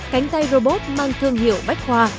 cánh tay robot mang thương hiệu bách khoa